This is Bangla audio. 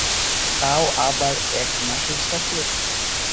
তাও আবার এক মাসের সফর।